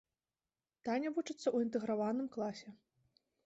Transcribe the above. Таня вучыцца ў інтэграваным класе.